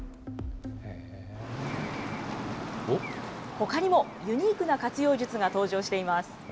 ほかにも、ユニークな活用術が登場しています。